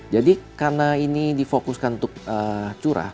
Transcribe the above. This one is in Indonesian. jadi karena ini difokuskan untuk curah